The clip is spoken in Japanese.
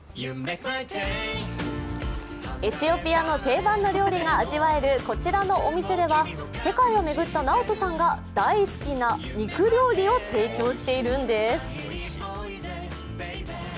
エチオピアの定番の料理が味わえるこちらのお店では世界を巡ったナオトさんが大好きな肉料理を提供しているんです。